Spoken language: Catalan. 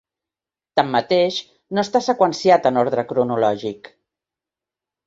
Tanmateix, no està seqüenciat en ordre cronològic.